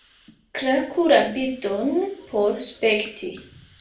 Klaku la bildon por spekti.